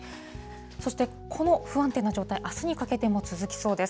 そして、この不安定な状態あすにかけても続きそうです。